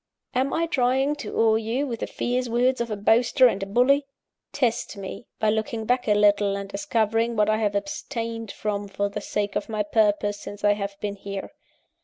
"Am I trying to awe you with the fierce words of a boaster and a bully? Test me, by looking back a little, and discovering what I have abstained from for the sake of my purpose, since I have been here.